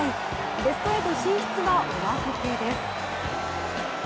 ベスト８進出はお預けです。